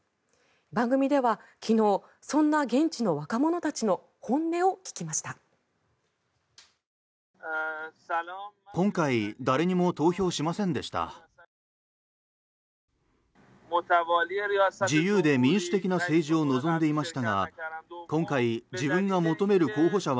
番組では昨日そんな現地の若者たちの本音を聞きました。